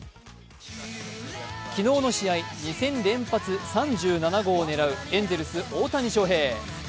昨日の試合、２戦連発３７号を狙うエンゼルス・大谷翔平。